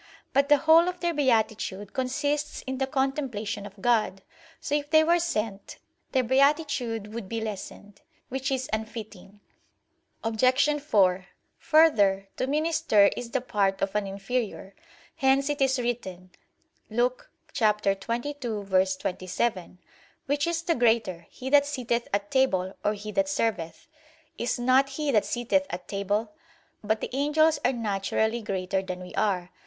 But the whole of their beatitude consists in the contemplation of God. So if they were sent, their beatitude would be lessened; which is unfitting. Obj. 4: Further, to minister is the part of an inferior; hence it is written (Luke 22:27): "Which is the greater, he that sitteth at table, or he that serveth? is not he that sitteth at table?" But the angels are naturally greater than we are.